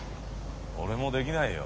俺もできないよ。